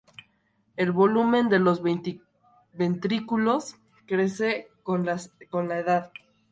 El volumen de los ventrículos crece con la edad.